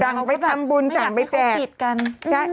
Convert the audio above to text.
จังไปทำบุญจังไปแจก